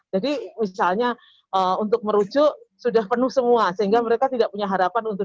jadi misalnya untuk merujuk sudah penuh semua sehingga mereka tidak punya harapan untuk